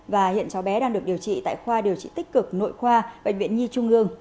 và hiện cháu bé đang được điều trị tại khoa điều trị tích cực nội khoa bệnh viện nhi trung ương